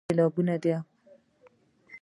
سیلابونه د افغانستان د شنو سیمو ښکلا ده.